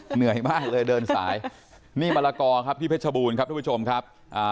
เหนื่อยมากเลยเดินสายนี่มะละกอครับที่เพชรบูรณ์ครับทุกผู้ชมครับอ่า